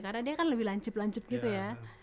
karena dia kan lebih lancip lancip gitu ya